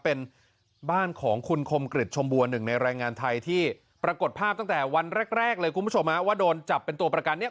เป็นบ้านของคุณคมกริจชมบัวหนึ่งในแรงงานไทยที่ปรากฏภาพตั้งแต่วันแรกแรกเลยคุณผู้ชมว่าโดนจับเป็นตัวประกันเนี่ย